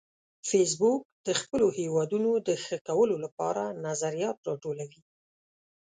فېسبوک د خپلو هیوادونو د ښه کولو لپاره نظریات راټولوي